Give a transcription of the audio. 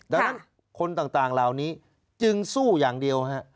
ดังนั้นคนต่างเหล่านี้จึงสู้อย่างเดียวฮะ